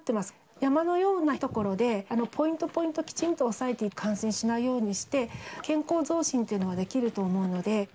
山のような所で、ポイントポイントきちんと押さえて、感染しないようにして、健康増進というのができると思うので。